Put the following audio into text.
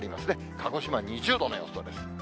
鹿児島２０度の予想です。